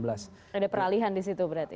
ada peralihan di situ berarti